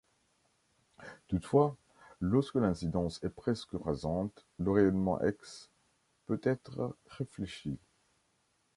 Toutefois lorsque l'incidence est presque rasante le rayonnement X peut être réfléchi.